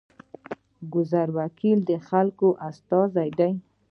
ګذر وکیل د خلکو استازی دی